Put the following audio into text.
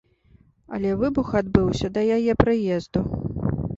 Але выбух адбыўся да яе прыезду.